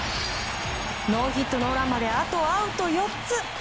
ノーヒットノーランまであとアウト４つ。